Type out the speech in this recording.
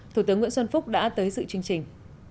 thủ tướng nguyễn xuân phúc đã tới dự chương trình